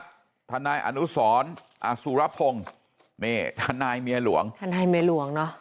อสุรพงศ์ท่านนายเมียหลวงท่านนายเมียหลวงเนอะ